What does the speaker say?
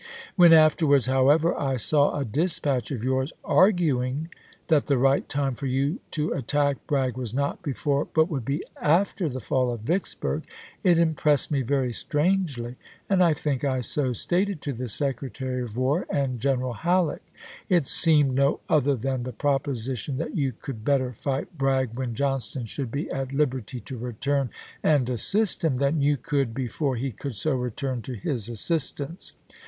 When after wards, however, I saw a dispatch of yours arguing " that the right time for you to attack Bragg was not before, but would be after, the fall of Vicks burg, it impressed me very strangely, and I think I so stated to the Secretary of War and General Halleck. It seemed no other than the proposition that you could better fight Bragg when Johnston should be at liberty to retm n and assist him than you could before he could so return to his assistance.